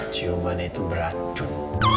ciuman itu beracun